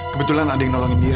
kebetulan ada yang nolongin dia